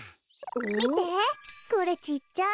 みてこれちっちゃい。